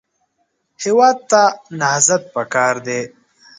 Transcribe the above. هېواد ته نهضت پکار دی